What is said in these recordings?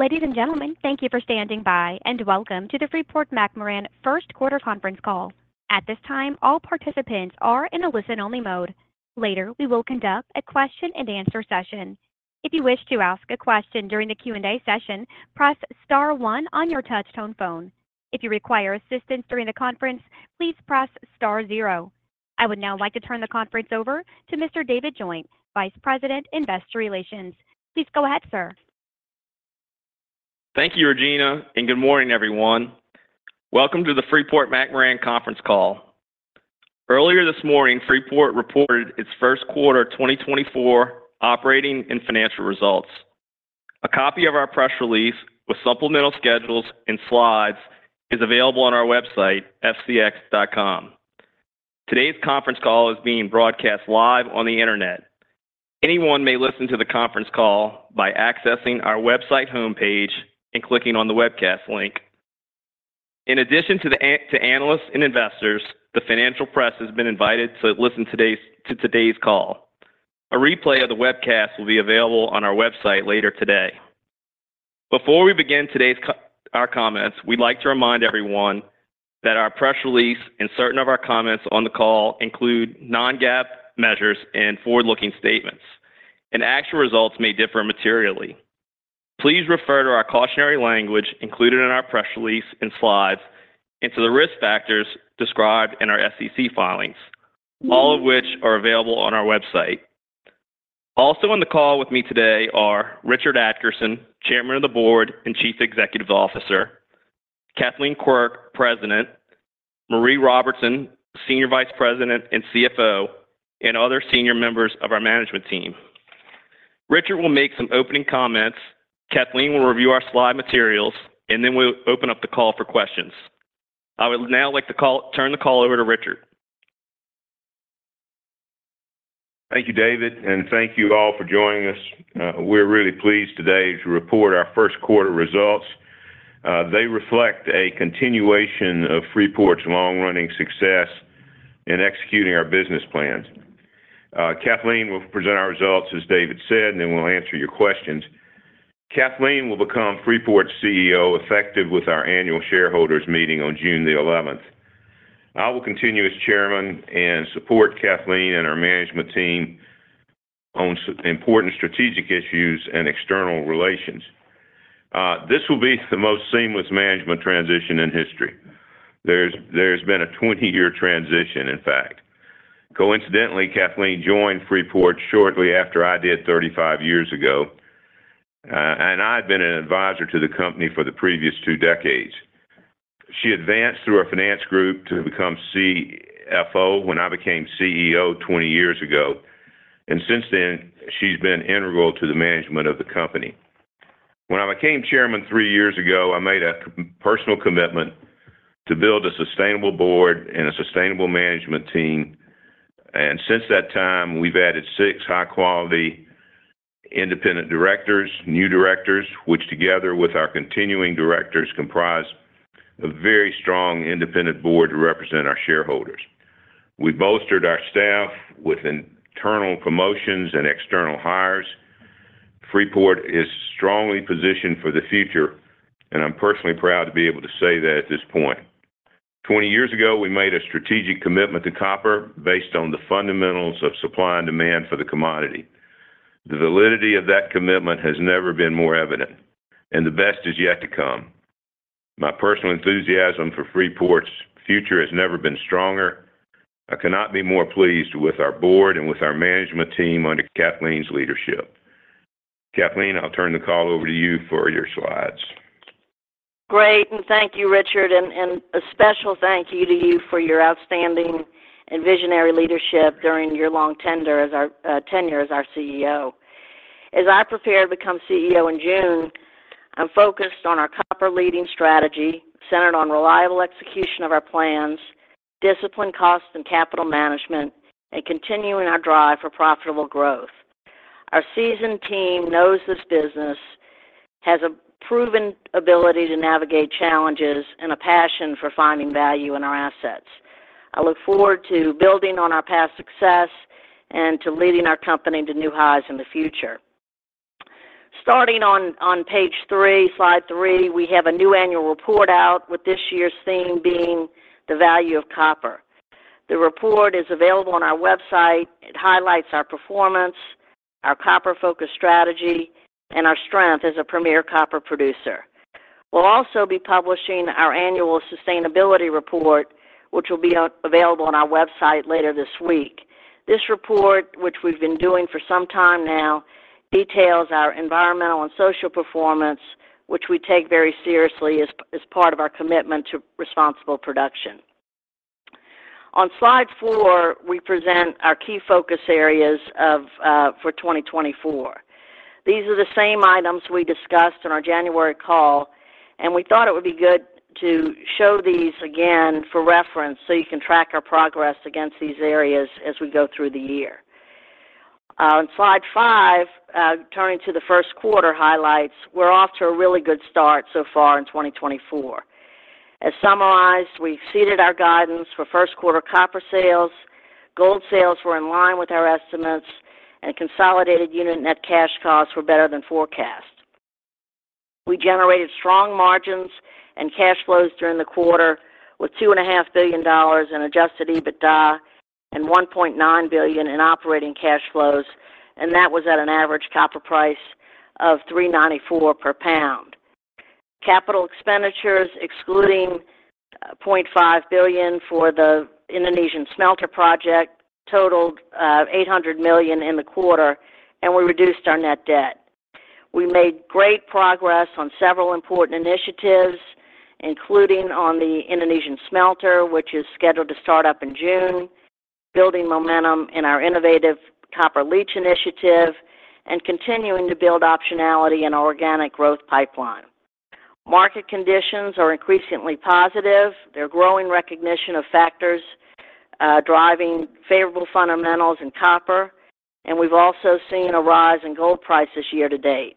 Ladies and gentlemen, thank you for standing by and welcome to the Freeport-McMoRan First Quarter Conference Call. At this time, all participants are in a listen-only mode. Later, we will conduct a question-and-answer session. If you wish to ask a question during the Q&A session, press star one on your touch-tone phone. If you require assistance during the conference, please press star zero. I would now like to turn the conference over to Mr. David Joint, Vice President Investor Relations. Please go ahead, sir. Thank you, Regina, and good morning, everyone. Welcome to the Freeport-McMoRan Conference Call. Earlier this morning, Freeport reported its first quarter 2024 operating and financial results. A copy of our press release with supplemental schedules and slides is available on our website, fcx.com. Today's conference call is being broadcast live on the internet. Anyone may listen to the conference call by accessing our website home page and clicking on the webcast link. In addition to analysts and investors, the financial press has been invited to listen to today's call. A replay of the webcast will be available on our website later today. Before we begin today's comments, we'd like to remind everyone that our press release and certain of our comments on the call include non-GAAP measures and forward-looking statements, and actual results may differ materially. Please refer to our cautionary language included in our press release and slides and to the risk factors described in our SEC filings, all of which are available on our website. Also in the call with me today are Richard Adkerson, Chairman of the Board and Chief Executive Officer; Kathleen Quirk, President; Maree Robertson, Senior Vice President and CFO; and other senior members of our management team. Richard will make some opening comments, Kathleen will review our slide materials, and then we'll open up the call for questions. I would now like to turn the call over to Richard. Thank you, David, and thank you all for joining us. We're really pleased today to report our first quarter results. They reflect a continuation of Freeport's long-running success in executing our business plans. Kathleen will present our results, as David said, and then we'll answer your questions. Kathleen will become Freeport's CEO, effective with our annual shareholders' meeting on June the 11th. I will continue as Chairman and support Kathleen and our management team on important strategic issues and external relations. This will be the most seamless management transition in history. There's been a 20-year transition, in fact. Coincidentally, Kathleen joined Freeport shortly after I did 35 years ago, and I've been an advisor to the company for the previous two decades. She advanced through our finance group to become CFO when I became CEO 20 years ago, and since then, she's been integral to the management of the company. When I became Chairman three years ago, I made a personal commitment to build a sustainable board and a sustainable management team, and since that time, we've added six high-quality independent directors, new directors, which together with our continuing directors comprise a very strong independent board to represent our shareholders. We've bolstered our staff with internal promotions and external hires. Freeport is strongly positioned for the future, and I'm personally proud to be able to say that at this point. 20 years ago, we made a strategic commitment to copper based on the fundamentals of supply and demand for the commodity. The validity of that commitment has never been more evident, and the best is yet to come. My personal enthusiasm for Freeport's future has never been stronger. I cannot be more pleased with our board and with our management team under Kathleen's leadership. Kathleen, I'll turn the call over to you for your slides. Great, and thank you, Richard, and a special thank you to you for your outstanding and visionary leadership during your long tenure as our CEO. As I prepare to become CEO in June, I'm focused on our copper leading strategy centered on reliable execution of our plans, disciplined cost and capital management, and continuing our drive for profitable growth. Our seasoned team knows this business, has a proven ability to navigate challenges, and a passion for finding value in our assets. I look forward to building on our past success and to leading our company to new highs in the future. Starting on page three, Slide three, we have a new annual report out with this year's theme being the value of copper. The report is available on our website. It highlights our performance, our copper-focused strategy, and our strength as a premier copper producer. We'll also be publishing our annual sustainability report, which will be available on our website later this week. This report, which we've been doing for some time now, details our environmental and social performance, which we take very seriously as part of our commitment to responsible production. On Slide four, we present our key focus areas for 2024. These are the same items we discussed in our January call, and we thought it would be good to show these again for reference so you can track our progress against these areas as we go through the year. On Slide five, turning to the first quarter highlights, we're off to a really good start so far in 2024. As summarized, we exceeded our guidance for first quarter copper sales, gold sales were in line with our estimates, and consolidated unit net cash costs were better than forecast. We generated strong margins and cash flows during the quarter with $2.5 billion in adjusted EBITDA and $1.9 billion in operating cash flows, and that was at an average copper price of $3.94 per pound. Capital expenditures, excluding $0.5 billion for the Indonesian smelter project, totaled $800 million in the quarter, and we reduced our net debt. We made great progress on several important initiatives, including on the Indonesian smelter, which is scheduled to start up in June, building momentum in our innovative copper leach initiative, and continuing to build optionality in our organic growth pipeline. Market conditions are increasingly positive. There are growing recognition of factors driving favorable fundamentals in copper, and we've also seen a rise in gold price this year to date.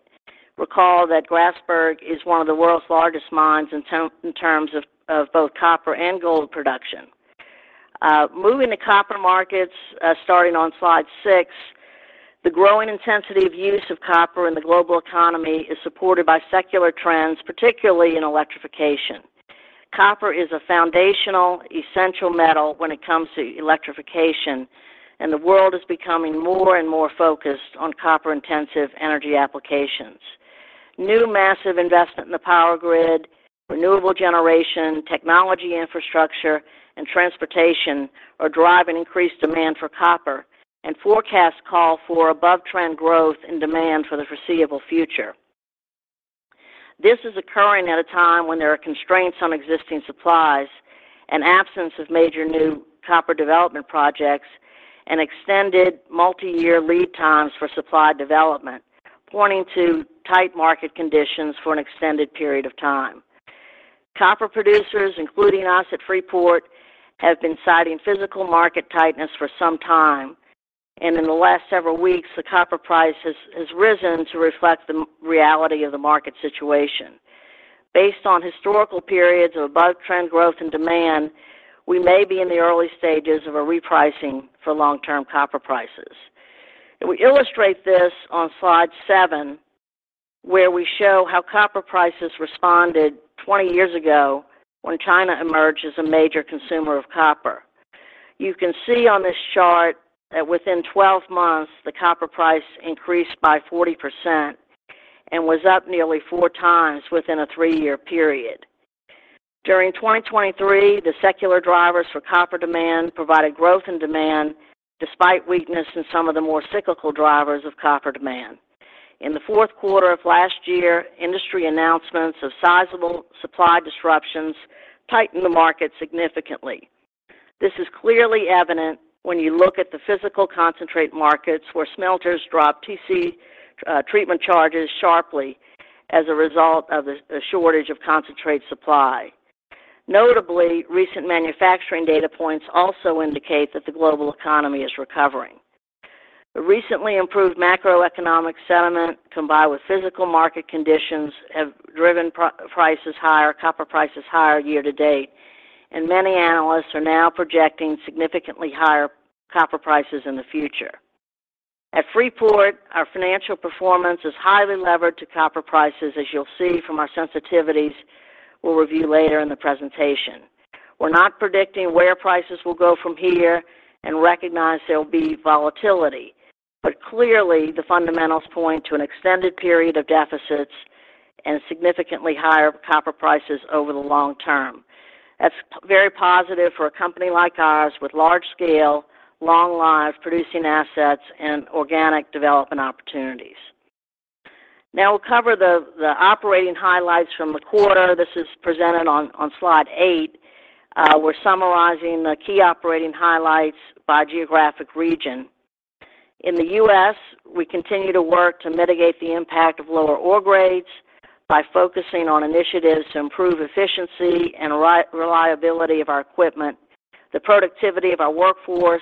Recall that Grasberg is one of the world's largest mines in terms of both copper and gold production. Moving to copper markets, starting on Slide six, the growing intensity of use of copper in the global economy is supported by secular trends, particularly in electrification. Copper is a foundational, essential metal when it comes to electrification, and the world is becoming more and more focused on copper-intensive energy applications. New massive investment in the power grid, renewable generation, technology infrastructure, and transportation are driving increased demand for copper and forecast call for above-trend growth and demand for the foreseeable future. This is occurring at a time when there are constraints on existing supplies, an absence of major new copper development projects, and extended multi-year lead times for supply development, pointing to tight market conditions for an extended period of time. Copper producers, including us at Freeport, have been citing physical market tightness for some time, and in the last several weeks, the copper price has risen to reflect the reality of the market situation. Based on historical periods of above-trend growth and demand, we may be in the early stages of a repricing for long-term copper prices. We illustrate this on Slide seven, where we show how copper prices responded 20 years ago when China emerged as a major consumer of copper. You can see on this chart that within 12 months, the copper price increased by 40% and was up nearly four times within a 3-year period. During 2023, the secular drivers for copper demand provided growth and demand despite weakness in some of the more cyclical drivers of copper demand. In the fourth quarter of last year, industry announcements of sizable supply disruptions tightened the market significantly. This is clearly evident when you look at the physical concentrate markets where smelters drop TC treatment charges sharply as a result of the shortage of concentrate supply. Notably, recent manufacturing data points also indicate that the global economy is recovering. The recently improved macroeconomic sentiment combined with physical market conditions have driven prices higher, copper prices higher year to date, and many analysts are now projecting significantly higher copper prices in the future. At Freeport, our financial performance is highly levered to copper prices, as you'll see from our sensitivities we'll review later in the presentation. We're not predicting where prices will go from here and recognize there will be volatility, but clearly, the fundamentals point to an extended period of deficits and significantly higher copper prices over the long term. That's very positive for a company like ours with large-scale, long-lived producing assets and organic development opportunities. Now we'll cover the operating highlights from the quarter. This is presented on slide eight. We're summarizing the key operating highlights by geographic region. In the U.S., we continue to work to mitigate the impact of lower ore grades by focusing on initiatives to improve efficiency and reliability of our equipment, the productivity of our workforce,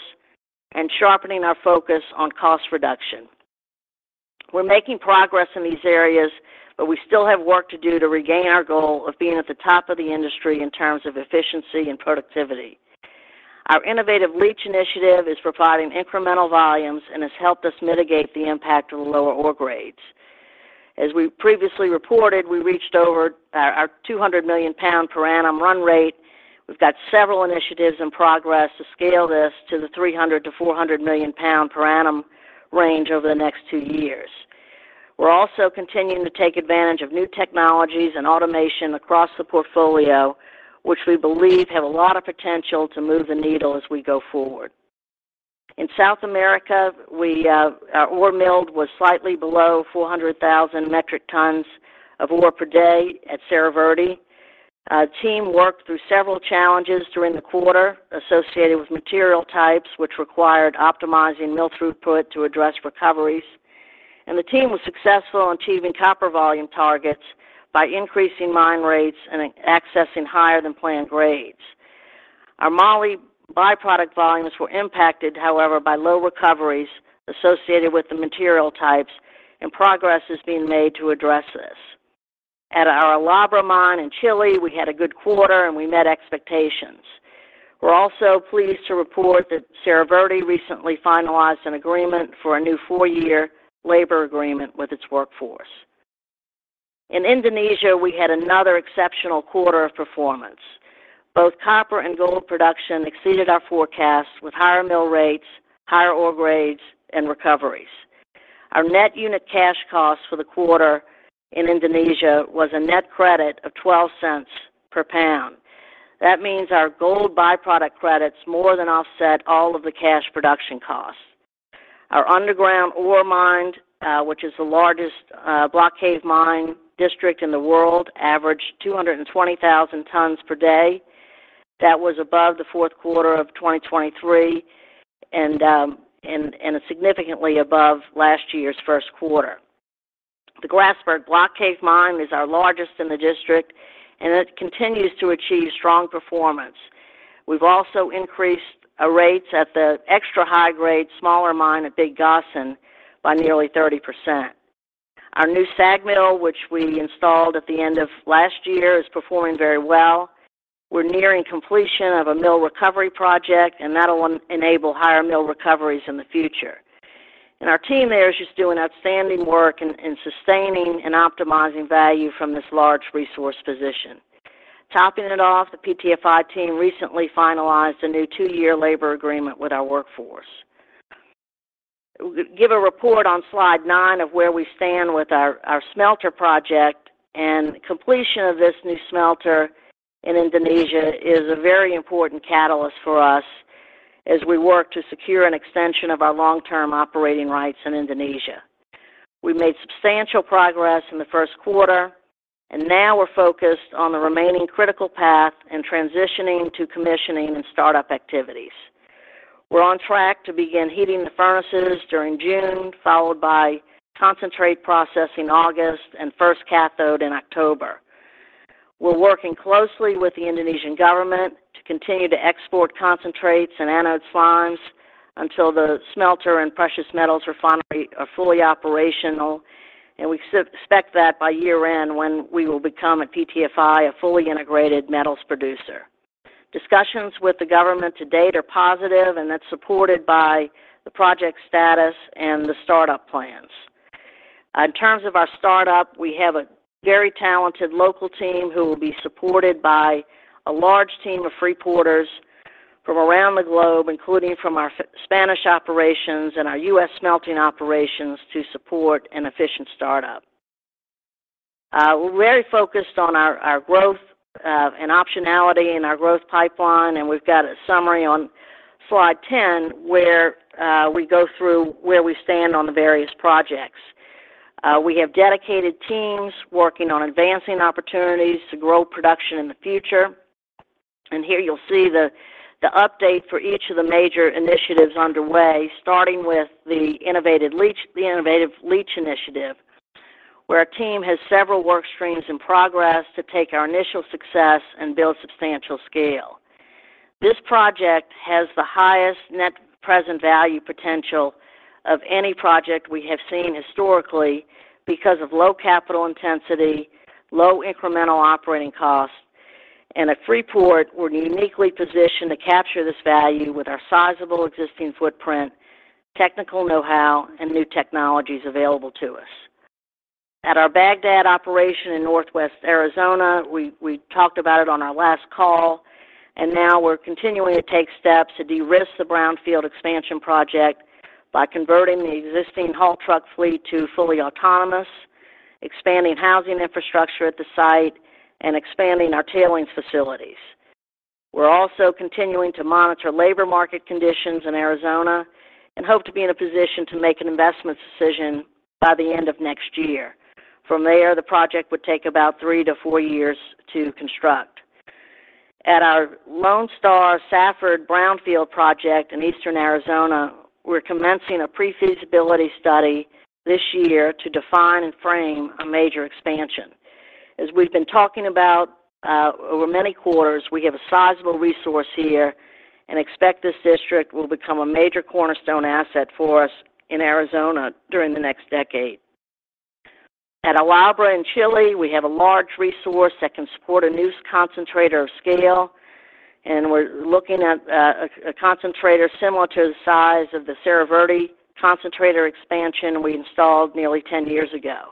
and sharpening our focus on cost reduction. We're making progress in these areas, but we still have work to do to regain our goal of being at the top of the industry in terms of efficiency and productivity. Our innovative leach initiative is providing incremental volumes and has helped us mitigate the impact of the lower ore grades. As we previously reported, we reached over our 200 million pound per annum run rate. We've got several initiatives in progress to scale this to the 300 million-400 million pound per annum range over the next two years. We're also continuing to take advantage of new technologies and automation across the portfolio, which we believe have a lot of potential to move the needle as we go forward. In South America, our ore milled was slightly below 400,000 metric tons of ore per day at Cerro Verde. The team worked through several challenges during the quarter associated with material types, which required optimizing mill throughput to address recoveries, and the team was successful in achieving copper volume targets by increasing mine rates and accessing higher than planned grades. Our moly byproduct volumes were impacted, however, by low recoveries associated with the material types, and progress is being made to address this. At our El Abra mine in Chile, we had a good quarter, and we met expectations. We're also pleased to report that Cerro Verde recently finalized an agreement for a new four-year labor agreement with its workforce. In Indonesia, we had another exceptional quarter of performance. Both copper and gold production exceeded our forecasts with higher mill rates, higher ore grades, and recoveries. Our net unit cash costs for the quarter in Indonesia was a net credit of $0.12 per pound. That means our gold byproduct credits more than offset all of the cash production costs. Our underground ore mine, which is the largest block cave mine district in the world, averaged 220,000 tons per day. That was above the fourth quarter of 2023 and significantly above last year's first quarter. The Grasberg block cave mine is our largest in the district, and it continues to achieve strong performance. We've also increased rates at the extra high-grade smaller mine at Big Gossan by nearly 30%. Our new SAG mill, which we installed at the end of last year, is performing very well. We're nearing completion of a mill recovery project, and that will enable higher mill recoveries in the future. And our team there is just doing outstanding work in sustaining and optimizing value from this large resource position. Topping it off, the PTFI team recently finalized a new two-year labor agreement with our workforce. We'll give a report on slide nine of where we stand with our smelter project, and completion of this new smelter in Indonesia is a very important catalyst for us as we work to secure an extension of our long-term operating rights in Indonesia. We made substantial progress in the first quarter, and now we're focused on the remaining critical path and transitioning to commissioning and startup activities. We're on track to begin heating the furnaces during June, followed by concentrate processing in August and first cathode in October. We're working closely with the Indonesian government to continue to export concentrates and anode slimes until the smelter and precious metals refinery are fully operational, and we expect that by year-end when we will become, at PTFI, a fully integrated metals producer. Discussions with the government to date are positive, and that's supported by the project status and the startup plans. In terms of our startup, we have a very talented local team who will be supported by a large team of Freeporters from around the globe, including from our Spanish operations and our U.S. smelting operations, to support an efficient startup. We're very focused on our growth and optionality in our growth pipeline, and we've got a summary on slide 10 where we go through where we stand on the various projects. We have dedicated teams working on advancing opportunities to grow production in the future, and here you'll see the update for each of the major initiatives underway, starting with the innovative leach initiative, where our team has several workstreams in progress to take our initial success and build substantial scale. This project has the highest net present value potential of any project we have seen historically because of low capital intensity, low incremental operating costs, and at Freeport, we're uniquely positioned to capture this value with our sizable existing footprint, technical know-how, and new technologies available to us. At our Bagdad operation in northwest Arizona, we talked about it on our last call, and now we're continuing to take steps to de-risk the brownfield expansion project by converting the existing haul truck fleet to fully autonomous, expanding housing infrastructure at the site, and expanding our tailings facilities. We're also continuing to monitor labor market conditions in Arizona and hope to be in a position to make an investment decision by the end of next year. From there, the project would take about 3-4 years to construct. At our Lone Star Safford brownfield project in eastern Arizona, we're commencing a prefeasibility study this year to define and frame a major expansion. As we've been talking about over many quarters, we have a sizable resource here and expect this district will become a major cornerstone asset for us in Arizona during the next decade. At El Abra in Chile, we have a large resource that can support a new concentrator of scale, and we're looking at a concentrator similar to the size of the Cerro Verde concentrator expansion we installed nearly 10 years ago.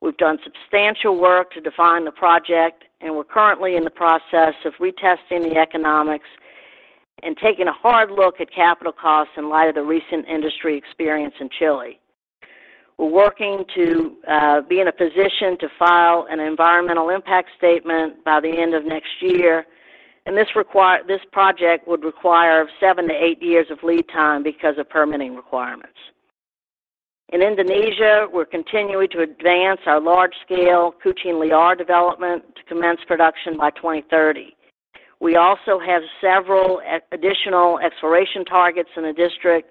We've done substantial work to define the project, and we're currently in the process of retesting the economics and taking a hard look at capital costs in light of the recent industry experience in Chile. We're working to be in a position to file an environmental impact statement by the end of next year, and this project would require 7-8 years of lead time because of permitting requirements. In Indonesia, we're continuing to advance our large-scale Kucing Liar development to commence production by 2030. We also have several additional exploration targets in the district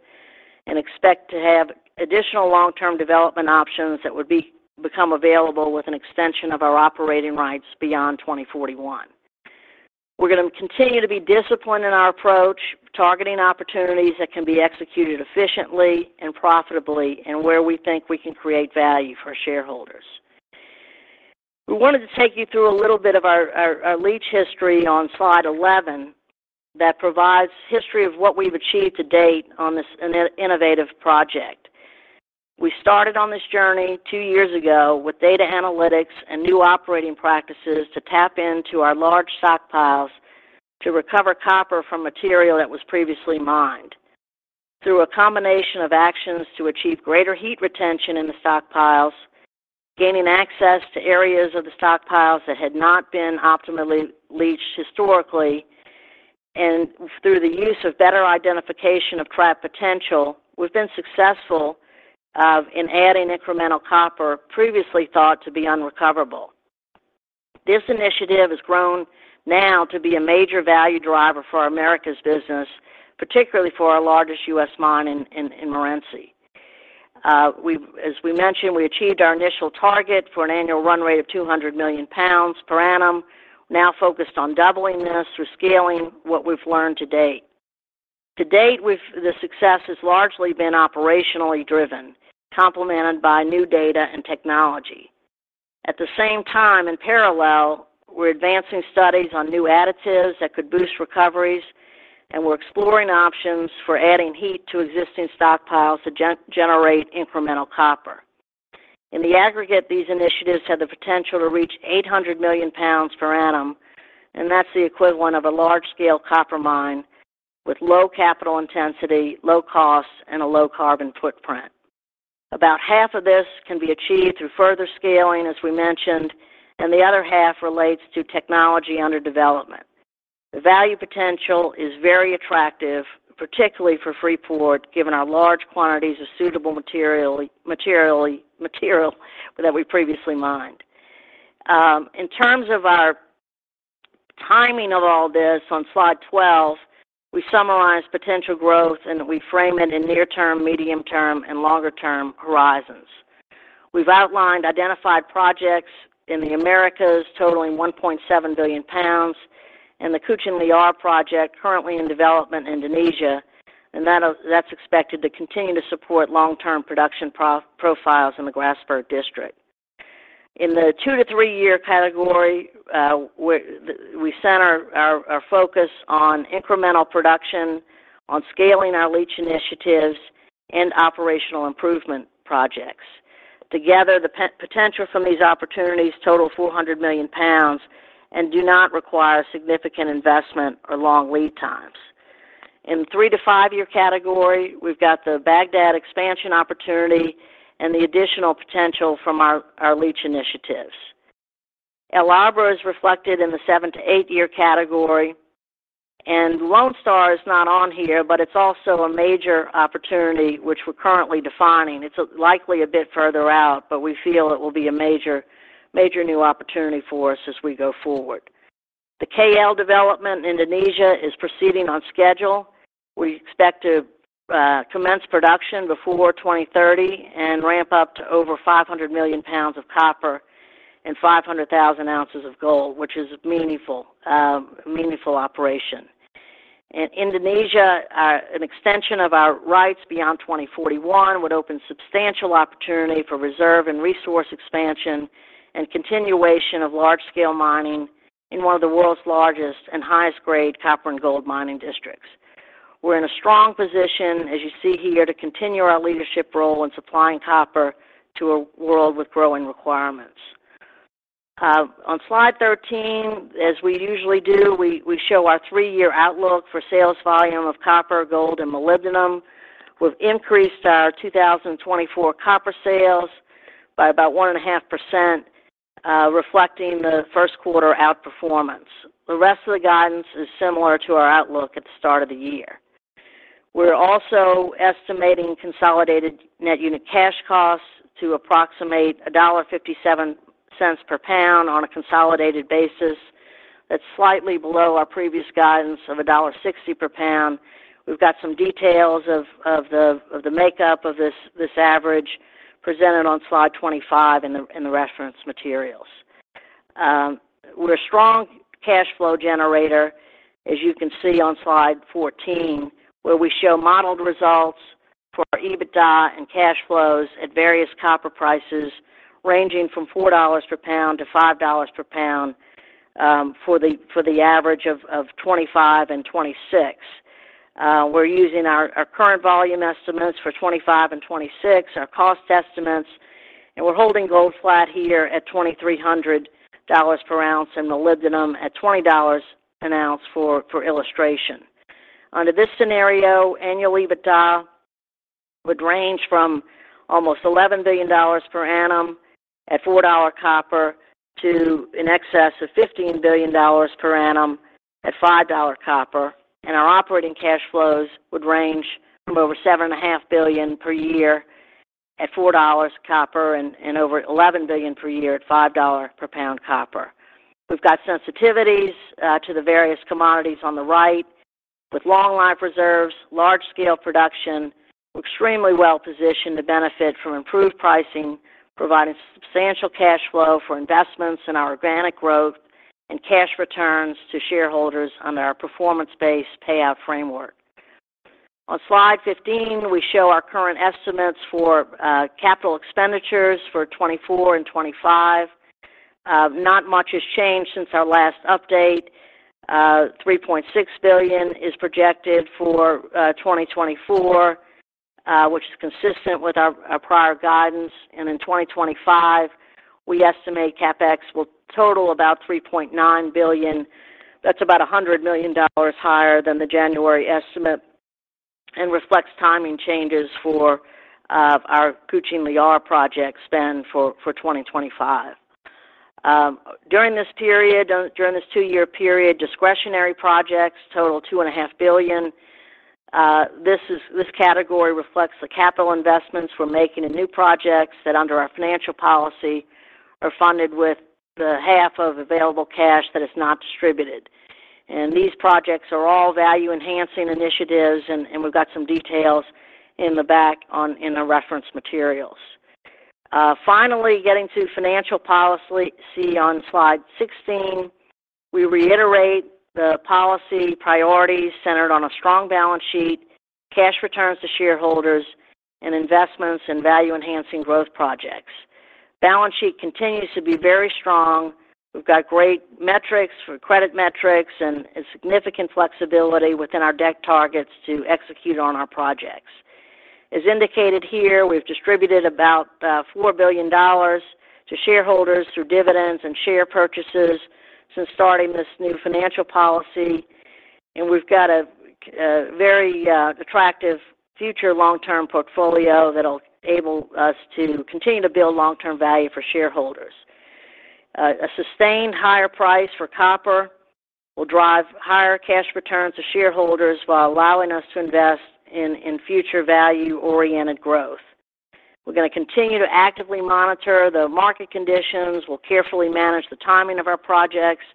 and expect to have additional long-term development options that would become available with an extension of our operating rights beyond 2041. We're going to continue to be disciplined in our approach, targeting opportunities that can be executed efficiently and profitably, and where we think we can create value for our shareholders. We wanted to take you through a little bit of our leach history on slide 11 that provides history of what we've achieved to date on this innovative project. We started on this journey two years ago with data analytics and new operating practices to tap into our large stockpiles to recover copper from material that was previously mined. Through a combination of actions to achieve greater heat retention in the stockpiles, gaining access to areas of the stockpiles that had not been optimally leached historically, and through the use of better identification of trap potential, we've been successful in adding incremental copper previously thought to be unrecoverable. This initiative has grown now to be a major value driver for Americas' business, particularly for our largest U.S. mine in Morenci. As we mentioned, we achieved our initial target for an annual run rate of $200 million per annum, now focused on doubling this through scaling what we've learned to date. To date, the success has largely been operationally driven, complemented by new data and technology. At the same time, in parallel, we're advancing studies on new additives that could boost recoveries, and we're exploring options for adding heat to existing stockpiles to generate incremental copper. In the aggregate, these initiatives have the potential to reach $800 million per annum, and that's the equivalent of a large-scale copper mine with low capital intensity, low costs, and a low carbon footprint. About half of this can be achieved through further scaling, as we mentioned, and the other half relates to technology under development. The value potential is very attractive, particularly for Freeport, given our large quantities of suitable material that we previously mined. In terms of our timing of all this on Slide 12, we summarize potential growth, and we frame it in near-term, medium-term, and longer-term horizons. We've outlined identified projects in the Americas totaling $1.7 billion and the Kucing Liar project currently in development in Indonesia, and that's expected to continue to support long-term production profiles in the Grasberg district. In the 2-3-year category, we center our focus on incremental production, on scaling our leach initiatives, and operational improvement projects. Together, the potential from these opportunities totals $400 million and does not require significant investment or long lead times. In the 3-5-year category, we've got the Bagdad expansion opportunity and the additional potential from our leach initiatives. El Abra is reflected in the 7-8-year category, and Lone Star is not on here, but it's also a major opportunity which we're currently defining. It's likely a bit further out, but we feel it will be a major new opportunity for us as we go forward. The KL development in Indonesia is proceeding on schedule. We expect to commence production before 2030 and ramp up to over $500 million of copper and 500,000 ounces of gold, which is a meaningful operation. In Indonesia, an extension of our rights beyond 2041 would open substantial opportunity for reserve and resource expansion and continuation of large-scale mining in one of the world's largest and highest-grade copper and gold mining districts. We're in a strong position, as you see here, to continue our leadership role in supplying copper to a world with growing requirements. On Slide 13, as we usually do, we show our three-year outlook for sales volume of copper, gold, and molybdenum. We've increased our 2024 copper sales by about 1.5%, reflecting the first quarter outperformance. The rest of the guidance is similar to our outlook at the start of the year. We're also estimating consolidated net unit cash costs to approximate $1.57 per pound on a consolidated basis. That's slightly below our previous guidance of $1.60 per pound. We've got some details of the makeup of this average presented on Slide 25 in the reference materials. We're a strong cash flow generator, as you can see on Slide 14, where we show modeled results for EBITDA and cash flows at various copper prices ranging from $4-$5 per pound for the average of 2025 and 2026. We're using our current volume estimates for 2025 and 2026, our cost estimates, and we're holding gold flat here at $2,300 per ounce and molybdenum at $20 an ounce for illustration. Under this scenario, annual EBITDA would range from almost $11 billion per annum at $4 copper to an excess of $15 billion per annum at $5 copper, and our operating cash flows would range from over $7.5 billion per year at $4 copper and over $11 billion per year at $5 per pound copper. We've got sensitivities to the various commodities on the right with long-life reserves, large-scale production. We're extremely well-positioned to benefit from improved pricing, providing substantial cash flow for investments in our organic growth and cash returns to shareholders under our performance-based payout framework. On Slide 15, we show our current estimates for capital expenditures for 2024 and 2025. Not much has changed since our last update. $3.6 billion is projected for 2024, which is consistent with our prior guidance, and in 2025, we estimate CapEx will total about $3.9 billion. That's about $100 million higher than the January estimate and reflects timing changes for our Kucing Liar project spend for 2025. During this two-year period, discretionary projects total $2.5 billion. This category reflects the capital investments we're making in new projects that, under our financial policy, are funded with the half of available cash that is not distributed. These projects are all value-enhancing initiatives, and we've got some details in the back in our reference materials. Finally, getting to financial policy on Slide 16, we reiterate the policy priorities centered on a strong balance sheet, cash returns to shareholders, and investments in value-enhancing growth projects. Balance sheet continues to be very strong. We've got great metrics for credit metrics and significant flexibility within our debt targets to execute on our projects. As indicated here, we've distributed about $4 billion to shareholders through dividends and share purchases since starting this new financial policy, and we've got a very attractive future long-term portfolio that'll enable us to continue to build long-term value for shareholders. A sustained higher price for copper will drive higher cash returns to shareholders while allowing us to invest in future value-oriented growth. We're going to continue to actively monitor the market conditions. We'll carefully manage the timing of our projects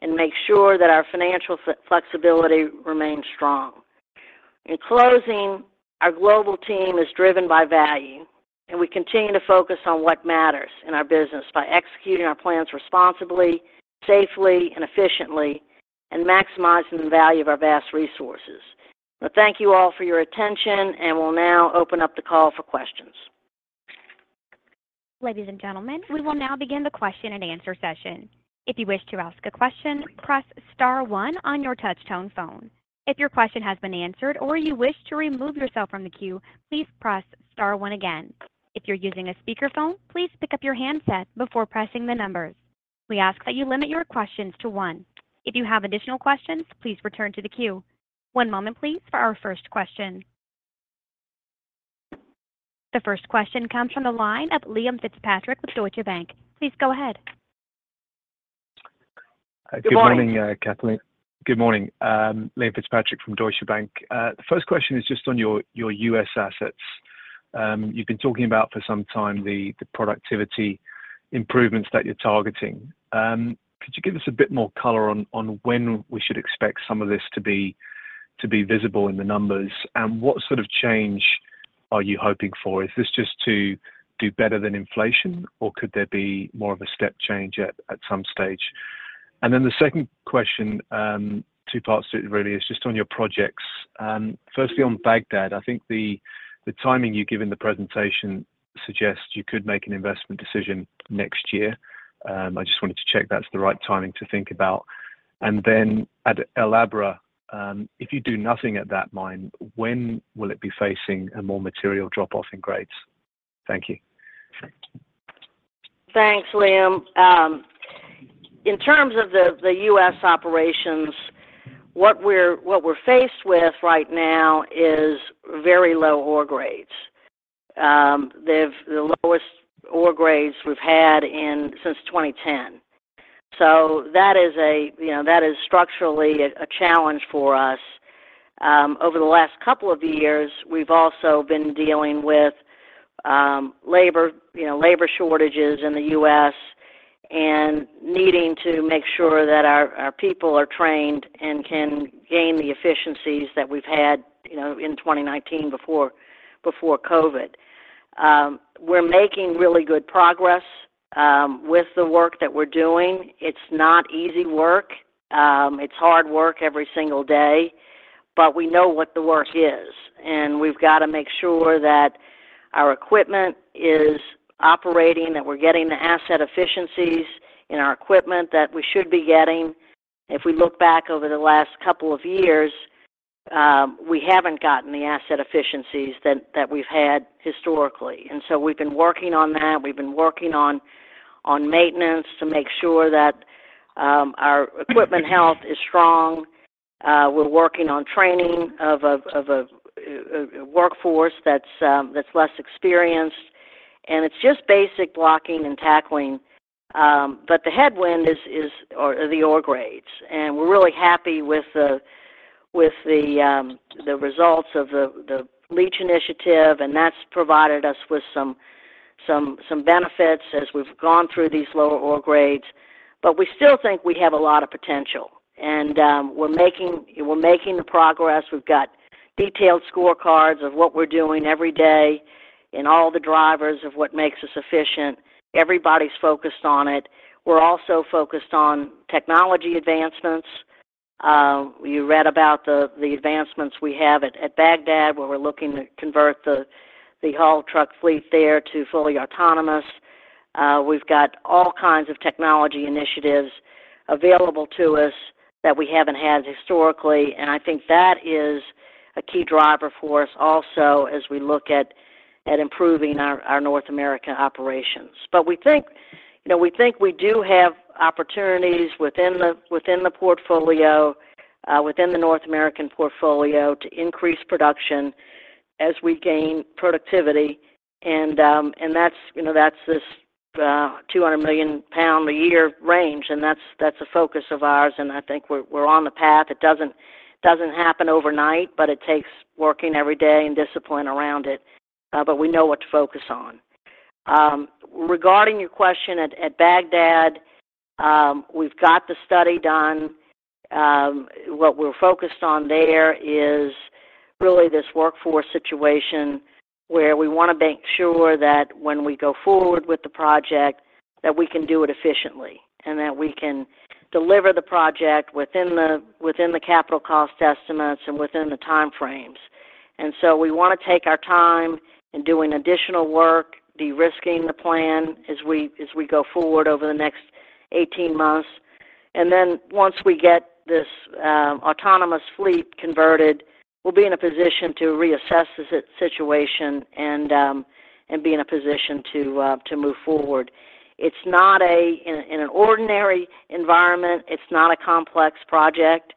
and make sure that our financial flexibility remains strong. In closing, our global team is driven by value, and we continue to focus on what matters in our business by executing our plans responsibly, safely, and efficiently, and maximizing the value of our vast resources. Thank you all for your attention, and we'll now open up the call for questions. Ladies and gentlemen, we will now begin the question and answer session. If you wish to ask a question, press star one on your touch-tone phone. If your question has been answered or you wish to remove yourself from the queue, please press star one again. If you're using a speakerphone, please pick up your handset before pressing the numbers. We ask that you limit your questions to one. If you have additional questions, please return to the queue. One moment, please, for our first question. The first question comes from the line of Liam Fitzpatrick with Deutsche Bank. Please go ahead. Good morning, Kathleen. Good morning, Liam Fitzpatrick from Deutsche Bank. The first question is just on your U.S. assets. You've been talking about for some time the productivity improvements that you're targeting. Could you give us a bit more color on when we should expect some of this to be visible in the numbers, and what sort of change are you hoping for? Is this just to do better than inflation, or could there be more of a step change at some stage? And then the second question, two parts to it really, is just on your projects. Firstly, on Bagdad, I think the timing you give in the presentation suggests you could make an investment decision next year. I just wanted to check that's the right timing to think about. And then at El Abra, if you do nothing at that mine, when will it be facing a more material drop-off in grades? Thank you. Thanks, Liam. In terms of the U.S. operations, what we're faced with right now is very low ore grades, the lowest ore grades we've had since 2010. So that is structurally a challenge for us. Over the last couple of years, we've also been dealing with labor shortages in the U.S. and needing to make sure that our people are trained and can gain the efficiencies that we've had in 2019 before COVID. We're making really good progress with the work that we're doing. It's not easy work. It's hard work every single day, but we know what the work is, and we've got to make sure that our equipment is operating, that we're getting the asset efficiencies in our equipment that we should be getting. If we look back over the last couple of years, we haven't gotten the asset efficiencies that we've had historically. So we've been working on that. We've been working on maintenance to make sure that our equipment health is strong. We're working on training of a workforce that's less experienced, and it's just basic blocking and tackling, but the headwind is the ore grades. We're really happy with the results of the leach initiative, and that's provided us with some benefits as we've gone through these lower ore grades. But we still think we have a lot of potential, and we're making the progress. We've got detailed scorecards of what we're doing every day and all the drivers of what makes us efficient. Everybody's focused on it. We're also focused on technology advancements. You read about the advancements we have at Bagdad where we're looking to convert the haul truck fleet there to fully autonomous. We've got all kinds of technology initiatives available to us that we haven't had historically, and I think that is a key driver for us also as we look at improving our North American operations. But we think we do have opportunities within the portfolio, within the North American portfolio, to increase production as we gain productivity, and that's this $200 million a year range, and that's a focus of ours, and I think we're on the path. It doesn't happen overnight, but it takes working every day and discipline around it, but we know what to focus on. Regarding your question at Bagdad, we've got the study done. What we're focused on there is really this workforce situation where we want to make sure that when we go forward with the project, that we can do it efficiently and that we can deliver the project within the capital cost estimates and within the time frames. And so we want to take our time in doing additional work, de-risking the plan as we go forward over the next 18 months. And then once we get this autonomous fleet converted, we'll be in a position to reassess the situation and be in a position to move forward. It's not an ordinary environment. It's not a complex project.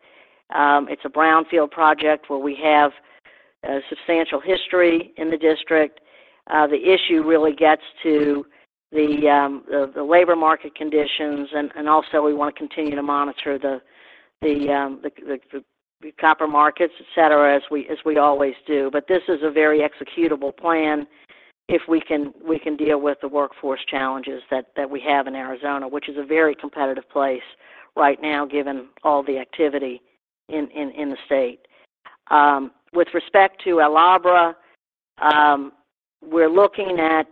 It's a brownfield project where we have substantial history in the district. The issue really gets to the labor market conditions, and also we want to continue to monitor the copper markets, etc., as we always do. But this is a very executable plan if we can deal with the workforce challenges that we have in Arizona, which is a very competitive place right now given all the activity in the state. With respect to El Abra, we're looking at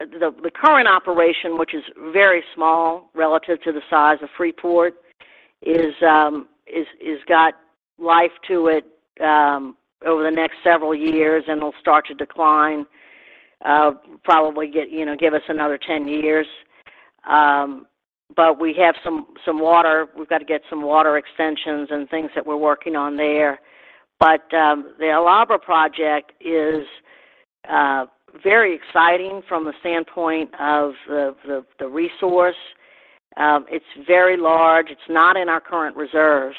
the current operation, which is very small relative to the size of Freeport, has got life to it over the next several years, and it'll start to decline, probably give us another 10 years. But we have some water. We've got to get some water extensions and things that we're working on there. But the El Abra project is very exciting from the standpoint of the resource. It's very large. It's not in our current reserves,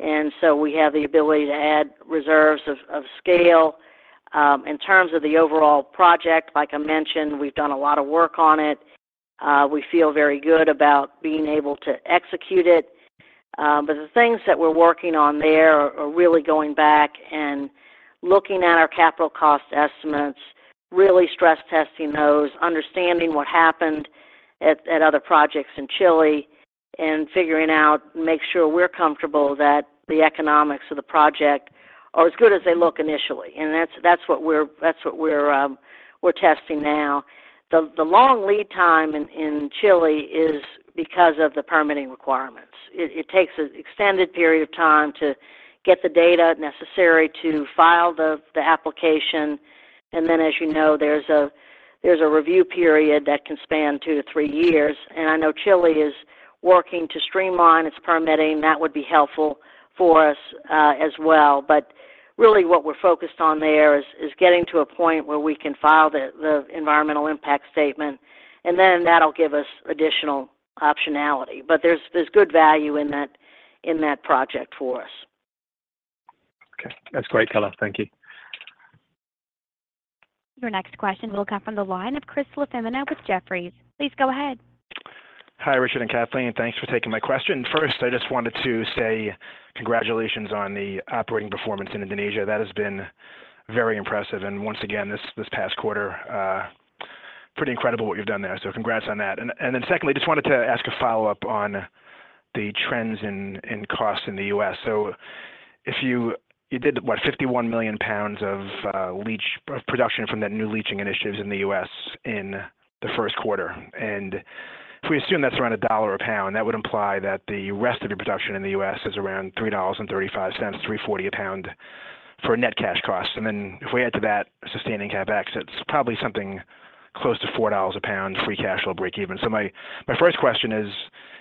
and so we have the ability to add reserves of scale. In terms of the overall project, like I mentioned, we've done a lot of work on it. We feel very good about being able to execute it. But the things that we're working on there are really going back and looking at our capital cost estimates, really stress-testing those, understanding what happened at other projects in Chile, and figuring out, make sure we're comfortable that the economics of the project are as good as they look initially. And that's what we're testing now. The long lead time in Chile is because of the permitting requirements. It takes an extended period of time to get the data necessary to file the application, and then, as you know, there's a review period that can span 2-3 years. And I know Chile is working to streamline its permitting. That would be helpful for us as well. But really, what we're focused on there is getting to a point where we can file the environmental impact statement, and then that'll give us additional optionality. But there's good value in that project for us. Okay. That's great, Kathleen. Thank you. Your next question will come from the line of Chris LaFemina with Jefferies. Please go ahead. Hi, Richard and Kathleen. Thanks for taking my question. First, I just wanted to say congratulations on the operating performance in Indonesia. That has been very impressive. And once again, this past quarter, pretty incredible what you've done there, so congrats on that. And then secondly, just wanted to ask a follow-up on the trends in costs in the U.S. So you did, what, 51 million pounds of production from that new leaching initiatives in the U.S. in the first quarter. And if we assume that's around a dollar a pound, that would imply that the rest of your production in the U.S. is around $3.35, $3.40 a pound for net cash costs. And then if we add to that sustaining CapEx, it's probably something close to $4 a pound free cash flow break-even. So my first question is,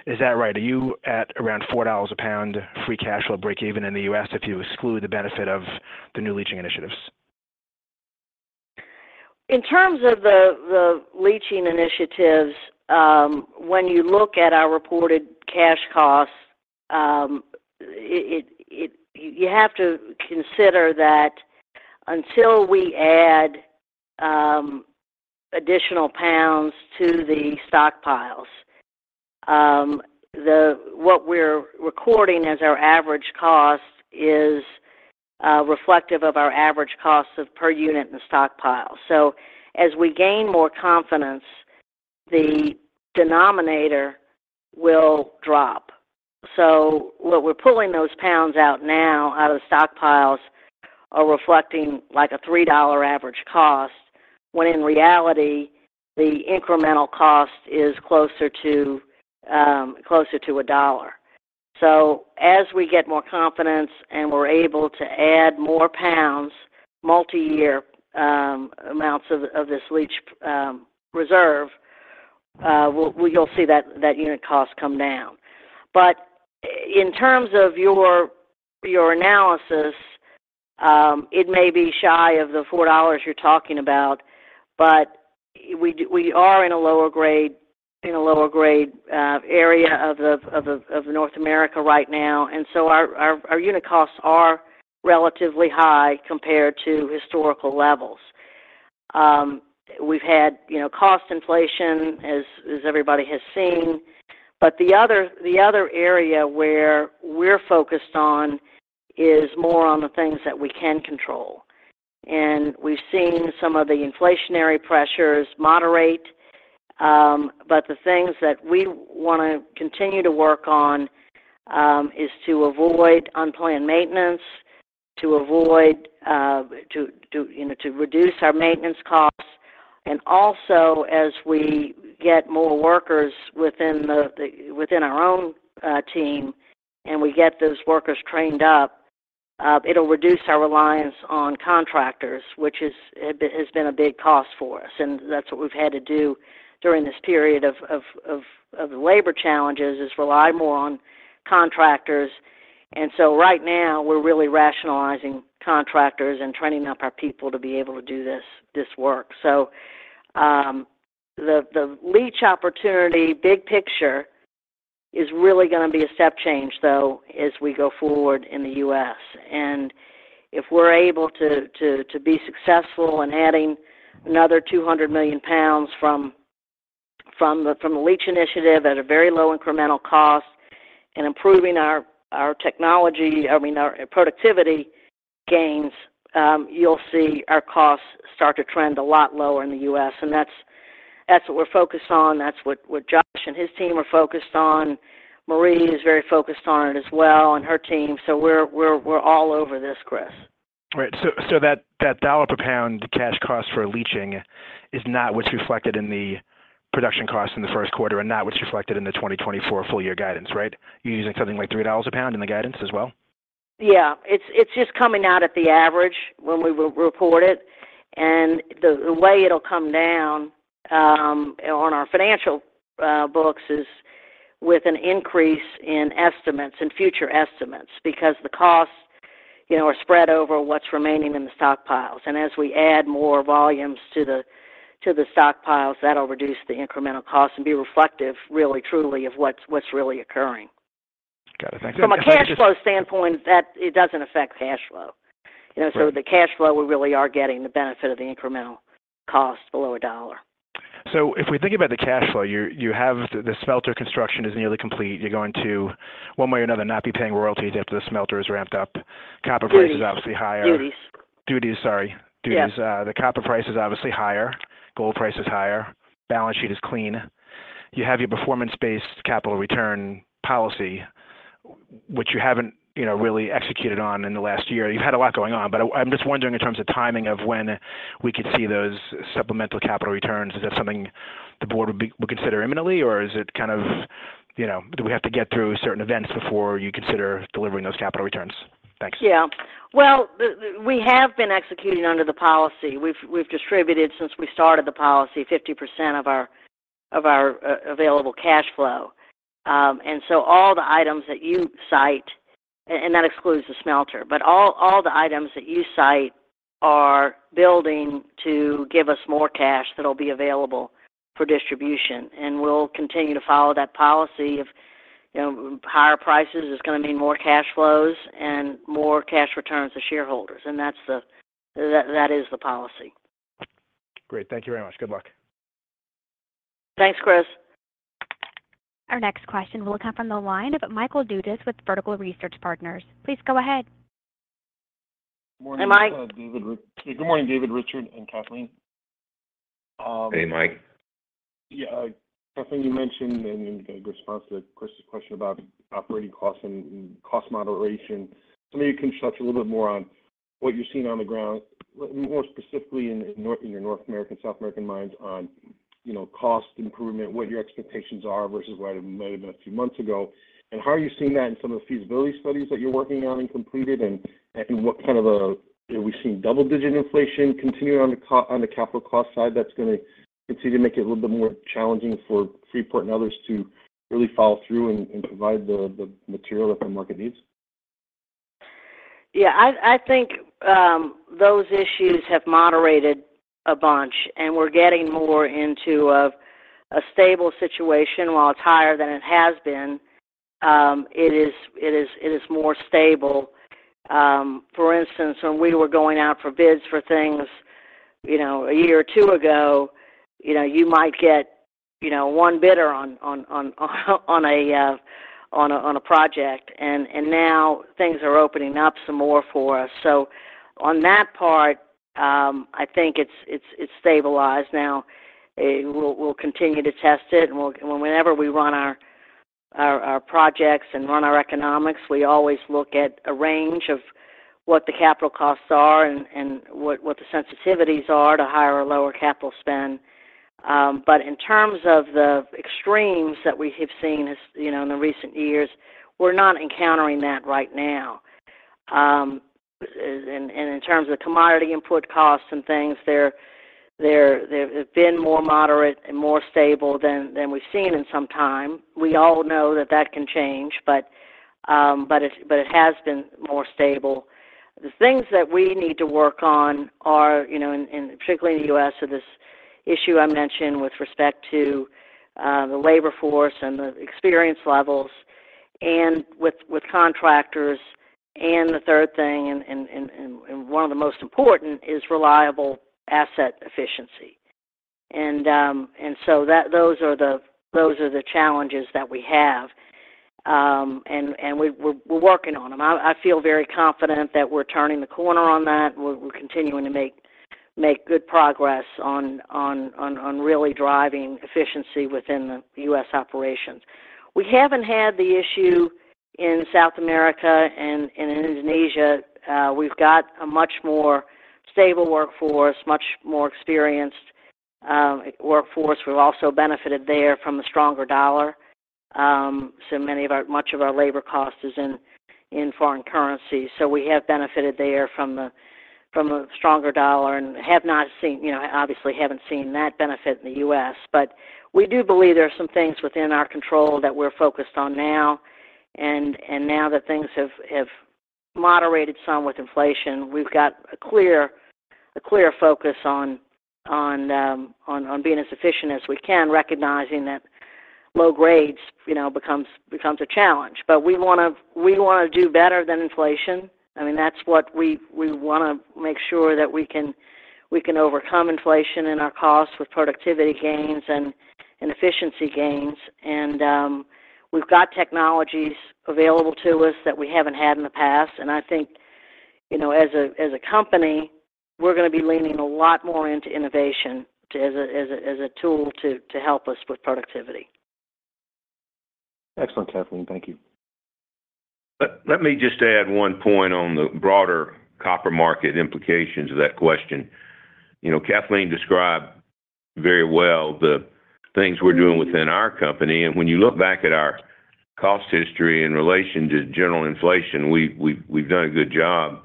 is that right? Are you at around $4 a pound free cash flow break-even in the U.S. if you exclude the benefit of the new leaching initiatives? In terms of the leaching initiatives, when you look at our reported cash costs, you have to consider that until we add additional pounds to the stockpiles, what we're recording as our average cost is reflective of our average costs per unit in the stockpile. So as we gain more confidence, the denominator will drop. So what we're pulling those pounds out now out of the stockpiles are reflecting a $3 average cost when in reality, the incremental cost is closer to $1. So as we get more confidence and we're able to add more pounds, multi-year amounts of this leach reserve, you'll see that unit cost come down. But in terms of your analysis, it may be shy of the $4 you're talking about, but we are in a lower grade area of North America right now, and so our unit costs are relatively high compared to historical levels. We've had cost inflation, as everybody has seen. But the other area where we're focused on is more on the things that we can control. And we've seen some of the inflationary pressures moderate, but the things that we want to continue to work on is to avoid unplanned maintenance, to reduce our maintenance costs. And also, as we get more workers within our own team and we get those workers trained up, it'll reduce our reliance on contractors, which has been a big cost for us. And that's what we've had to do during this period of the labor challenges, is rely more on contractors. So right now, we're really rationalizing contractors and training up our people to be able to do this work. So the leach opportunity, big picture, is really going to be a step change, though, as we go forward in the U.S. And if we're able to be successful in adding another $200 million from the leach initiative at a very low incremental cost and improving our technology I mean, our productivity gains, you'll see our costs start to trend a lot lower in the U.S. And that's what we're focused on. That's what Josh and his team are focused on. Maree is very focused on it as well and her team. So we're all over this, Chris. Right. So that $1 per pound cash cost for leaching is not what's reflected in the production costs in the first quarter and not what's reflected in the 2024 full-year guidance, right? You're using something like $3 a pound in the guidance as well? Yeah. It's just coming out at the average when we report it. And the way it'll come down on our financial books is with an increase in estimates, in future estimates, because the costs are spread over what's remaining in the stockpiles. And as we add more volumes to the stockpiles, that'll reduce the incremental cost and be reflective, really, truly, of what's really occurring. Got it. Thank you. From a cash flow standpoint, it doesn't affect cash flow. So the cash flow, we really are getting the benefit of the incremental cost below $1. So if we think about the cash flow, you have the smelter construction is nearly complete. You're going to, one way or another, not be paying royalties after the smelter is ramped up. Copper price is obviously higher. Duties. The copper price is obviously higher. Gold price is higher. Balance sheet is clean. You have your performance-based capital return policy, which you haven't really executed on in the last year. You've had a lot going on, but I'm just wondering in terms of timing of when we could see those supplemental capital returns. Is that something the board would consider imminently, or is it kind of do we have to get through certain events before you consider delivering those capital returns? Thanks. Yeah. Well, we have been executing under the policy. We've distributed, since we started the policy, 50% of our available cash flow. And so all the items that you cite and that excludes the smelter, but all the items that you cite are building to give us more cash that'll be available for distribution. And we'll continue to follow that policy. Higher prices is going to mean more cash flows and more cash returns to shareholders, and that is the policy. Great. Thank you very much. Good luck. Thanks, Chris. Our next question will come from the line of Michael Dudas with Vertical Research Partners. Please go ahead. Hey, Mike. Good morning, David, Richard, and Kathleen. Hey, Mike. Yeah. Kathleen, you mentioned in response to Chris's question about operating costs and cost moderation, something you can structure a little bit more on what you're seeing on the ground, more specifically in your North American, South American mines on cost improvement, what your expectations are versus what it might have been a few months ago. How are you seeing that in some of the feasibility studies that you're working on and completed, and what kind of a have we seen double-digit inflation continue on the capital cost side that's going to continue to make it a little bit more challenging for Freeport and others to really follow through and provide the material that the market needs? Yeah. I think those issues have moderated a bunch, and we're getting more into a stable situation. While it's higher than it has been, it is more stable. For instance, when we were going out for bids for things a year or two ago, you might get one bidder on a project, and now things are opening up some more for us. So on that part, I think it's stabilized. Now, we'll continue to test it. Whenever we run our projects and run our economics, we always look at a range of what the capital costs are and what the sensitivities are to higher or lower capital spend. But in terms of the extremes that we have seen in the recent years, we're not encountering that right now. And in terms of commodity input costs and things, they've been more moderate and more stable than we've seen in some time. We all know that that can change, but it has been more stable. The things that we need to work on are, and particularly in the U.S., are this issue I mentioned with respect to the labor force and the experience levels and with contractors. And the third thing, and one of the most important, is reliable asset efficiency. And so those are the challenges that we have, and we're working on them. I feel very confident that we're turning the corner on that. We're continuing to make good progress on really driving efficiency within the U.S. operations. We haven't had the issue in South America and in Indonesia. We've got a much more stable workforce, much more experienced workforce. We've also benefited there from a stronger dollar. So much of our labor cost is in foreign currency. So we have benefited there from a stronger U.S. dollar and have not seen, obviously, that benefit in the U.S. But we do believe there are some things within our control that we're focused on now. And now that things have moderated some with inflation, we've got a clear focus on being as efficient as we can, recognizing that low grades becomes a challenge. But we want to do better than inflation. I mean, that's what we want to make sure that we can overcome inflation in our costs with productivity gains and efficiency gains. And we've got technologies available to us that we haven't had in the past. And I think, as a company, we're going to be leaning a lot more into innovation as a tool to help us with productivity. Excellent, Kathleen. Thank you. Let me just add one point on the broader copper market implications of that question. Kathleen described very well the things we're doing within our company. And when you look back at our cost history in relation to general inflation, we've done a good job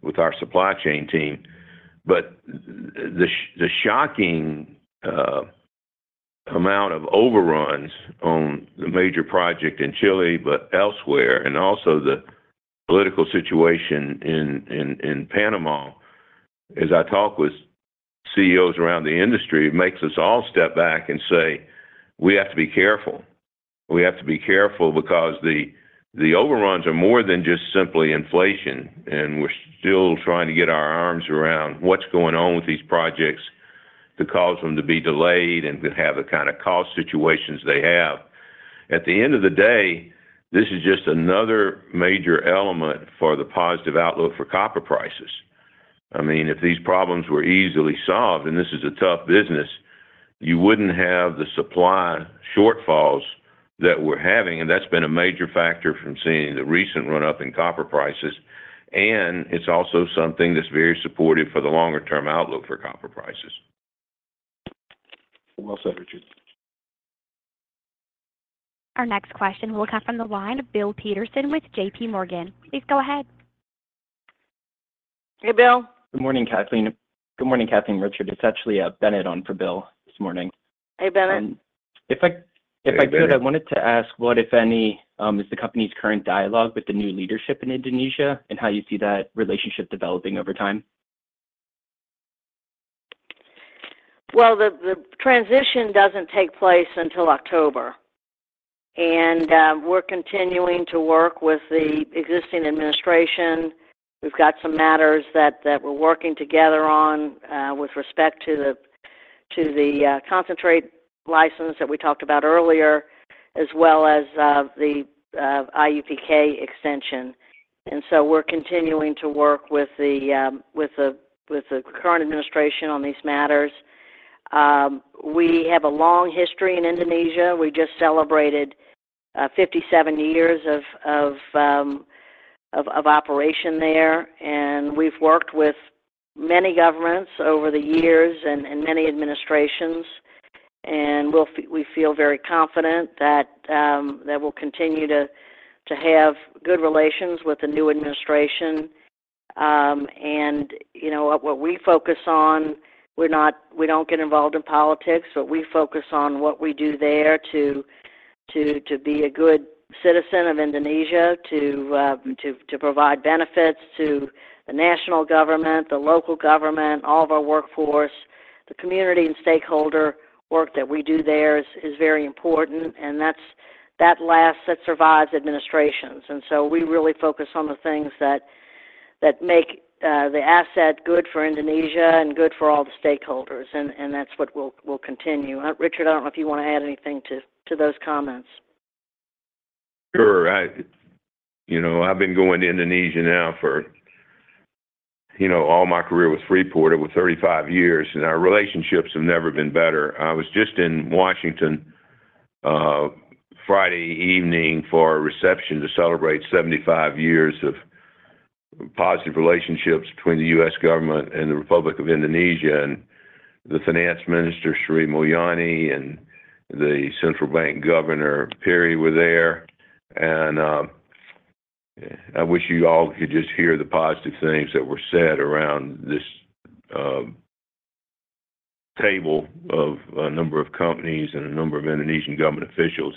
with our supply chain team. But the shocking amount of overruns on the major project in Chile but elsewhere and also the political situation in Panama, as I talk with CEOs around the industry, makes us all step back and say, "We have to be careful. We have to be careful because the overruns are more than just simply inflation, and we're still trying to get our arms around what's going on with these projects to cause them to be delayed and to have the kind of cost situations they have." At the end of the day, this is just another major element for the positive outlook for copper prices. I mean, if these problems were easily solved, and this is a tough business, you wouldn't have the supply shortfalls that we're having. And that's been a major factor from seeing the recent run-up in copper prices. And it's also something that's very supportive for the longer-term outlook for copper prices. Well said, Richard. Our next question will come from the line of Bill Peterson with JPMorgan. Please go ahead. Hey, Bill. Good morning, Kathleen. Good morning, Richard. It's actually on for Bill this morning. Hey, Bennett. If I could, I wanted to ask what, if any, is the company's current dialogue with the new leadership in Indonesia and how you see that relationship developing over time? Well, the transition doesn't take place until October, and we're continuing to work with the existing administration. We've got some matters that we're working together on with respect to the concentrate license that we talked about earlier, as well as the IUPK extension. And so we're continuing to work with the current administration on these matters. We have a long history in Indonesia. We just celebrated 57 years of operation there, and we've worked with many governments over the years and many administrations. And we feel very confident that we'll continue to have good relations with the new administration. And what we focus on, we don't get involved in politics, but we focus on what we do there to be a good citizen of Indonesia, to provide benefits to the national government, the local government, all of our workforce. The community and stakeholder work that we do there is very important, and that survives administrations. And so we really focus on the things that make the asset good for Indonesia and good for all the stakeholders, and that's what we'll continue. Richard, I don't know if you want to add anything to those comments. Sure. I've been going to Indonesia now for all my career with Freeport. It was 35 years, and our relationships have never been better. I was just in Washington Friday evening for a reception to celebrate 75 years of positive relationships between the U.S. government and the Republic of Indonesia. And the finance minister, Sri Mulyani, and the Central Bank governor, Perry, were there. And I wish you all could just hear the positive things that were said around this table of a number of companies and a number of Indonesian government officials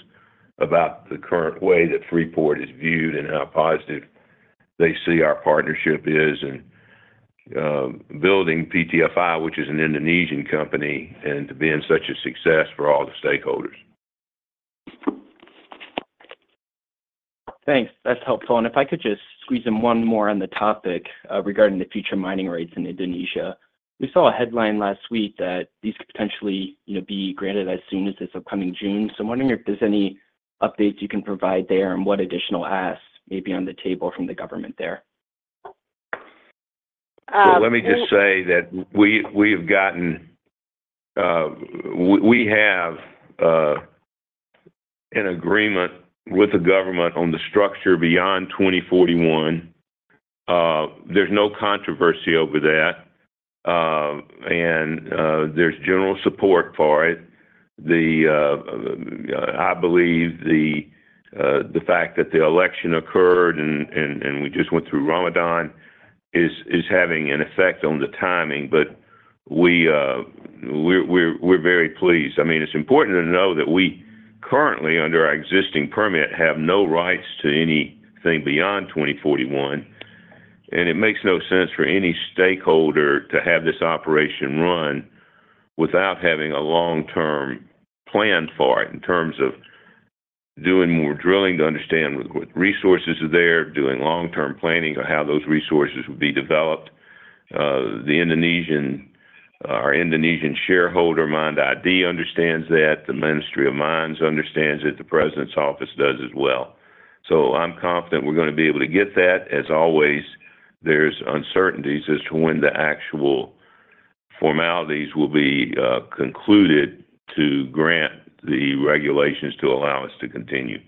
about the current way that Freeport is viewed and how positive they see our partnership is and building PTFI, which is an Indonesian company, and to be in such a success for all the stakeholders. Thanks. That's helpful. If I could just squeeze in one more on the topic regarding the future mining rates in Indonesia. We saw a headline last week that these could potentially be granted as soon as this upcoming June. I'm wondering if there's any updates you can provide there and what additional asks may be on the table from the government there. So let me just say that we have gotten an agreement with the government on the structure beyond 2041. There's no controversy over that, and there's general support for it. I believe the fact that the election occurred and we just went through Ramadan is having an effect on the timing, but we're very pleased. I mean, it's important to know that we currently, under our existing permit, have no rights to anything beyond 2041. And it makes no sense for any stakeholder to have this operation run without having a long-term plan for it in terms of doing more drilling to understand what resources are there, doing long-term planning of how those resources would be developed. Our Indonesian shareholder, MIND ID, understands that. The Ministry of Mines understands it. The president's office does as well. So I'm confident we're going to be able to get that. As always, there's uncertainties as to when the actual formalities will be concluded to grant the regulations to allow us to continue.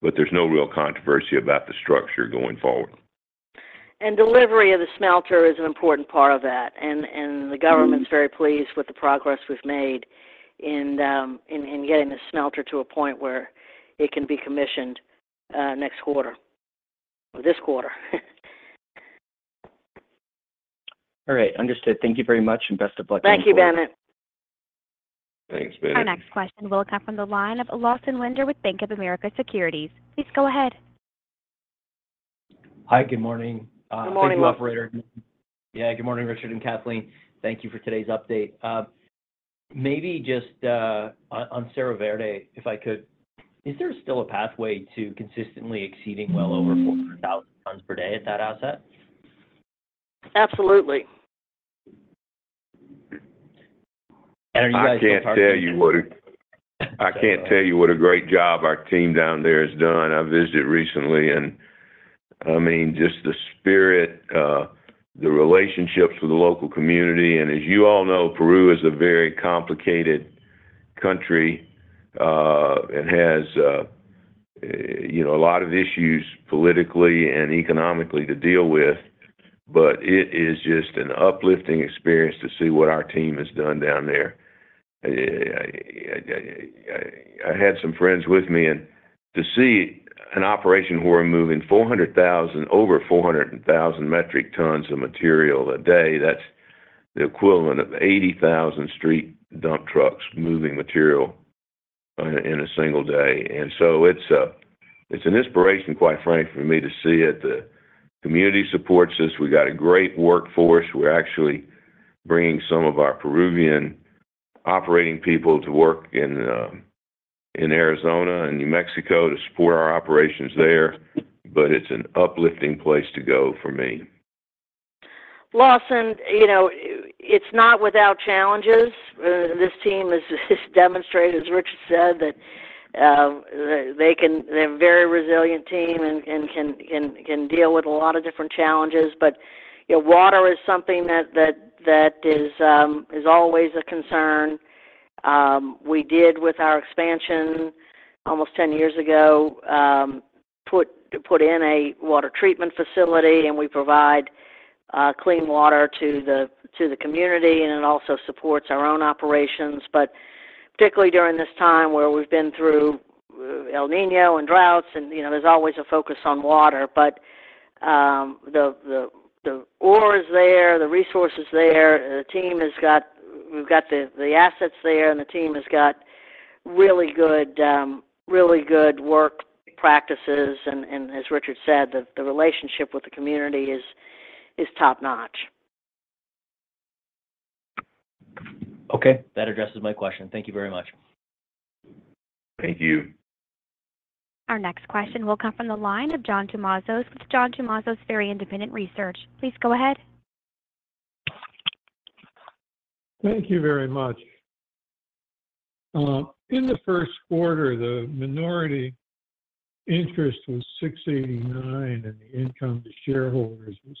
But there's no real controversy about the structure going forward. Delivery of the smelter is an important part of that. The government's very pleased with the progress we've made in getting the smelter to a point where it can be commissioned next quarter or this quarter. All right. Understood. Thank you very much, and best of luck in the future. Thank you, Bennett. Thanks, Bennett. Our next question will come from the line of Lawson Winder with Bank of America Securities. Please go ahead. Hi. Good morning. Good morning. Thank you, operator. Yeah. Good morning, Richard and Kathleen. Thank you for today's update. Maybe just on Cerro Verde, if I could, is there still a pathway to consistently exceeding well over 400,000 tons per day at that asset? Absolutely. Are you guys doing targeting? I can't tell you what a great job our team down there has done. I visited recently, and I mean, just the spirit, the relationships with the local community. As you all know, Peru is a very complicated country and has a lot of issues politically and economically to deal with. But it is just an uplifting experience to see what our team has done down there. I had some friends with me, and to see an operation where we're moving over 400,000 metric tons of material a day, that's the equivalent of 80,000 street dump trucks moving material in a single day. And so it's an inspiration, quite frankly, for me to see it. The community supports us. We got a great workforce. We're actually bringing some of our Peruvian operating people to work in Arizona and New Mexico to support our operations there. But it's an uplifting place to go for me. Lawson, it's not without challenges. This team has demonstrated, as Richard said, that they're a very resilient team and can deal with a lot of different challenges. But water is something that is always a concern. We did, with our expansion almost 10 years ago, put in a water treatment facility, and we provide clean water to the community, and it also supports our own operations. But particularly during this time where we've been through El Niño and droughts, there's always a focus on water. But the ore is there. The resource is there. We've got the assets there, and the team has got really good work practices. And as Richard said, the relationship with the community is top-notch. Okay. That addresses my question. Thank you very much. Thank you. Our next question will come from the line of John Tumazos with John Tumazos Very Independent Research. Please go ahead. Thank you very much. In the first quarter, the minority interest was $689 million, and the income to shareholders was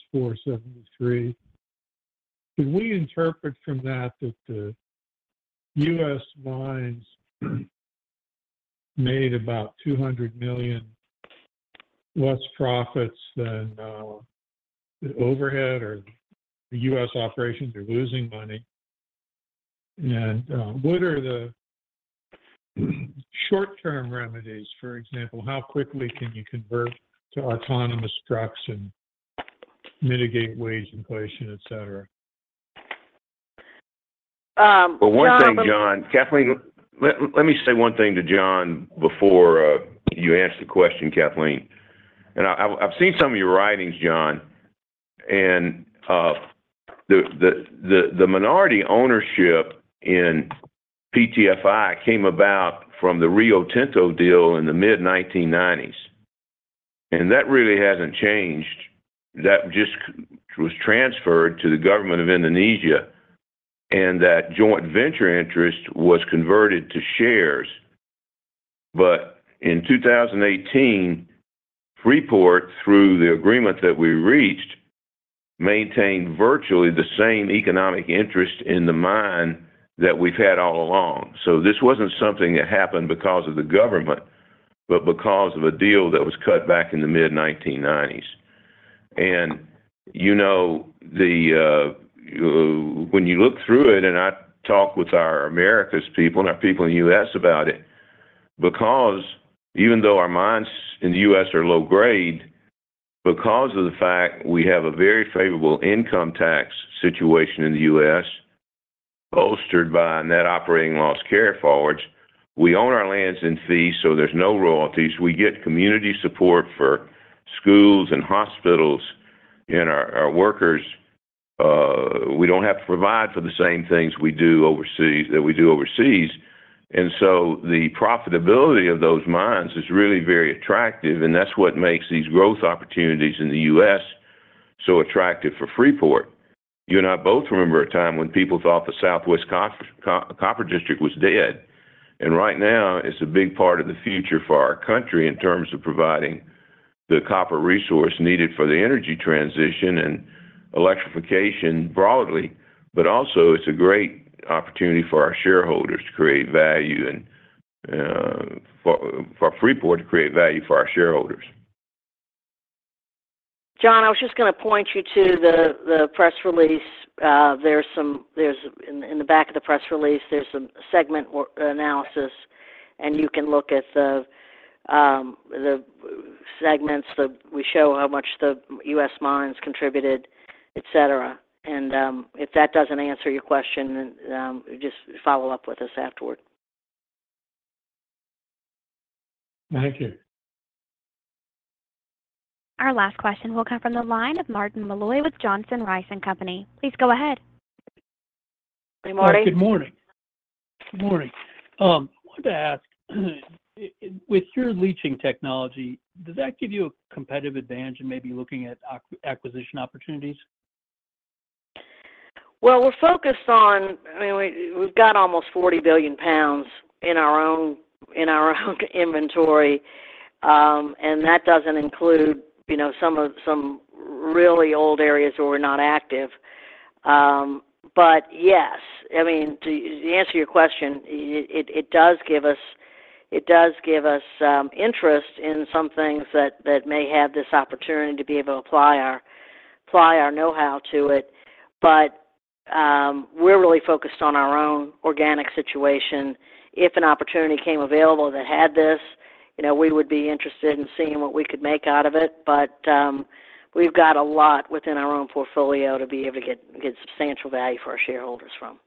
$473 million. Could we interpret from that that the U.S. mines made about $200 million less profits than the overhead, or the U.S. operations are losing money? And what are the short-term remedies? For example, how quickly can you convert to autonomous trucks and mitigate wage inflation, etc.? But one thing, John. Kathleen, let me say one thing to John before you answer the question, Kathleen. I've seen some of your writings, John. The minority ownership in PTFI came about from the Rio Tinto deal in the mid-1990s. That really hasn't changed. That just was transferred to the government of Indonesia, and that joint venture interest was converted to shares. In 2018, Freeport, through the agreement that we reached, maintained virtually the same economic interest in the mine that we've had all along. This wasn't something that happened because of the government but because of a deal that was cut back in the mid-1990s. When you look through it and I talk with our Americas people and our people in the U.S. about it, even though our mines in the U.S. are low-grade, because of the fact we have a very favorable income tax situation in the U.S. bolstered by net operating loss carryforwards, we own our lands in fee, so there's no royalties. We get community support for schools and hospitals and our workers. We don't have to provide for the same things that we do overseas. And so the profitability of those mines is really very attractive, and that's what makes these growth opportunities in the U.S. so attractive for Freeport. You and I both remember a time when people thought the Southwest Copper District was dead. And right now, it's a big part of the future for our country in terms of providing the copper resource needed for the energy transition and electrification broadly. But also, it's a great opportunity for our shareholders to create value and for Freeport to create value for our shareholders. John, I was just going to point you to the press release. In the back of the press release, there's a segment analysis, and you can look at the segments that we show how much the U.S. mines contributed, etc. If that doesn't answer your question, just follow up with us afterward. Thank you. Our last question will come from the line of Martin Malloy with Johnson Rice & Company. Please go ahead. Hey, Martin. Hi. Good morning. Good morning. I wanted to ask, with your leaching technology, does that give you a competitive advantage in maybe looking at acquisition opportunities? Well, we're focused on. I mean, we've got almost 40 billion pounds in our own inventory, and that doesn't include some really old areas where we're not active. But yes. I mean, to answer your question, it does give us it does give us interest in some things that may have this opportunity to be able to apply our know-how to it. But we're really focused on our own organic situation. If an opportunity came available that had this, we would be interested in seeing what we could make out of it. But we've got a lot within our own portfolio to be able to get substantial value for our shareholders from.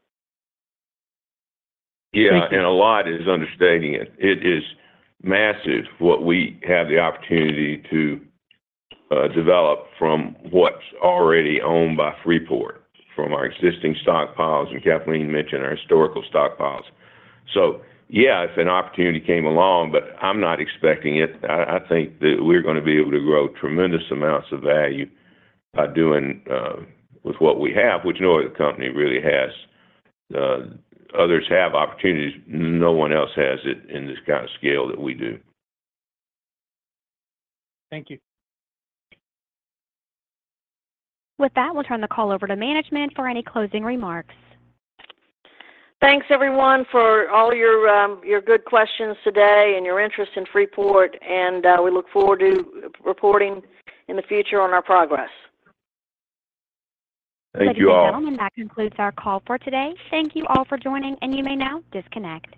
Yeah. And a lot is understanding it. It is massive what we have the opportunity to develop from what's already owned by Freeport, from our existing stockpiles, and Kathleen mentioned our historical stockpiles. So yeah, if an opportunity came along, but I'm not expecting it, I think that we're going to be able to grow tremendous amounts of value by doing with what we have, which no other company really has. Others have opportunities. No one else has it in this kind of scale that we do. Thank you. With that, we'll turn the call over to management for any closing remarks. Thanks, everyone, for all your good questions today and your interest in Freeport. We look forward to reporting in the future on our progress. Thank you all. Ladies and gentlemen, that concludes our call for today. Thank you all for joining, and you may now disconnect.